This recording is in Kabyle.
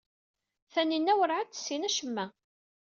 Taninna werɛad tessin acemma.